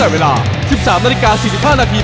เวลา๑๓นาฬิกา๔๕นาที